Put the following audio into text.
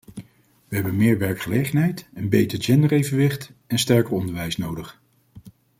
We hebben meer werkgelegenheid, een beter genderevenwicht en sterker onderwijs nodig.